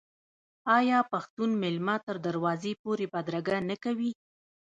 آیا پښتون میلمه تر دروازې پورې بدرګه نه کوي؟